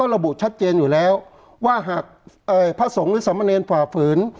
ระบุชัดเจนอยู่แล้วว่าหากพระสงฆ์หรือสมเนรฝ่าฝืน